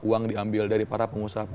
uang diambil dari para pengusaha